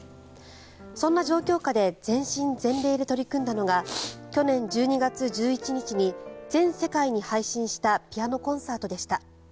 そんな状況下で全身全霊で取り組んだのが去年１２月１１日に全世界に配信したピアノコンサートでした。